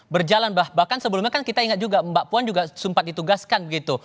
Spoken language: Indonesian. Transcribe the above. berjalan bahkan sebelumnya kan kita ingat juga mbak puan juga sempat ditugaskan begitu